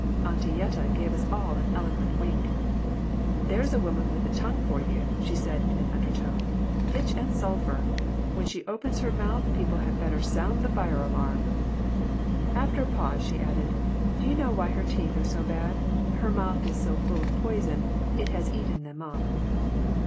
Auntie Yetta gave us all an eloquent wink "There's a woman with a tongue for you," she said in an undertone. "Pitch and sulphur. When she opens her mouth people had better sound the fire alarm." After a pause she added: "Do you know why her teeth are so bad? Her mouth is so full of poison, it has eaten them up."